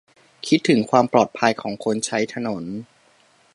-คิดถึงความปลอดภัยของคนใช้ถนน